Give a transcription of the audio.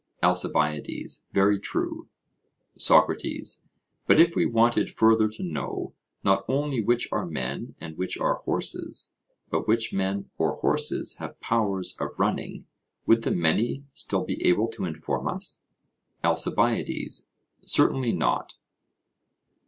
ALCIBIADES: Very true. SOCRATES: But if we wanted further to know not only which are men and which are horses, but which men or horses have powers of running, would the many still be able to inform us? ALCIBIADES: Certainly not.